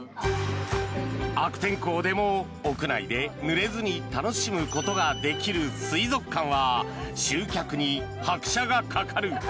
悪天候でも屋内でぬれずに楽しむことができる水族館は集客に拍車がかかる。